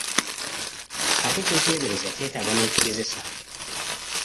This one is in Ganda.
Ate ky'oteberezza kyetaaga n'okigezesa.